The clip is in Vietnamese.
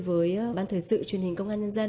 với ban thời sự truyền hình công an nhân dân